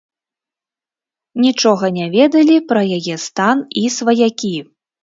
Нічога не ведалі пра яе стан і сваякі.